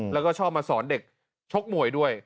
แล้วก็ชอบมาสอนเด็กชกมวยด้วย